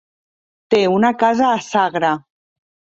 Té una casa a Sagra.